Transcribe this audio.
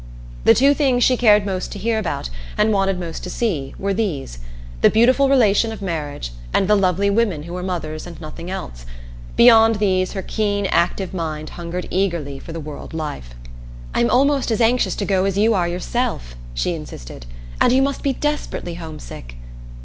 The two things she cared most to hear about, and wanted most to see, were these: the beautiful relation of marriage and the lovely women who were mothers and nothing else; beyond these her keen, active mind hungered eagerly for the world life. "I'm almost as anxious to go as you are yourself," she insisted, "and you must be desperately homesick."